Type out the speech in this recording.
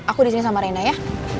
aku disini sama rena ya